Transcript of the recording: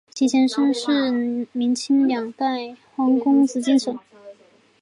其前身是明清两代皇宫紫禁城。